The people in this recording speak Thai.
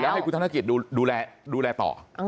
แล้วให้คุณท่านธนาคิตดูแลต่อ